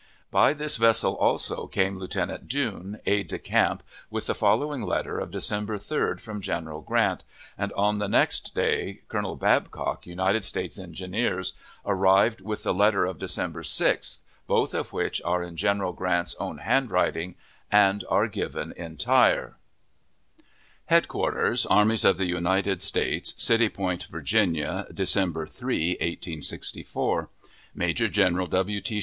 By this vessel also came Lieutenant Dune, aide de camp, with the following letter of December 3d, from General Grant, and on the next day Colonel Babcock, United States Engineers, arrived with the letter of December 6th, both of which are in General Grant's own handwriting, and are given entire: HEADQUARTERS ARMIES OF THE UNITED STATES CITY POINT, VIRGINIA, December 3, 1864. Major General W. T.